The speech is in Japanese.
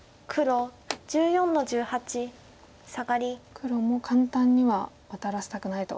黒も簡単にはワタらせたくないと。